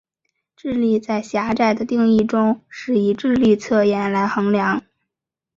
智力在狭窄的定义中是以智力测验来衡量。